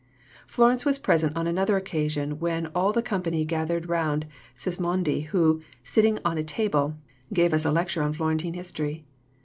Florence was present on another occasion when "all the company gathered round Sismondi who, sitting on a table, gave us a lecture on Florentine history."